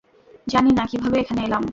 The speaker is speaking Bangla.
জানি না কীভাবে এখানে এলাম।